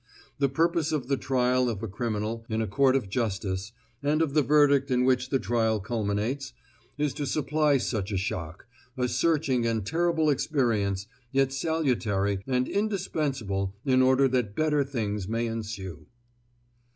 The purpose of the trial of a criminal in a court of justice, and of the verdict in which the trial culminates, is to supply such a shock, a searching and terrible experience, yet salutary and indispensable in order that better things may ensue.